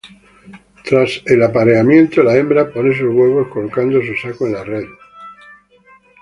Tras el apareamiento, la hembra pone sus huevos, colocando su saco en la red.